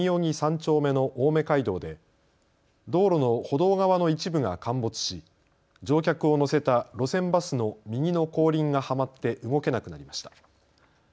３丁目の青梅街道で道路の歩道側の一部が陥没し乗客を乗せた路線バスの右の後輪がはまって動けなくなりました。